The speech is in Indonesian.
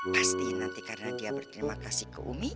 pasti nanti karena dia berterima kasih